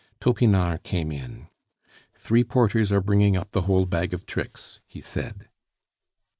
Topinard came in. "Three porters are bringing up the whole bag of tricks," he said.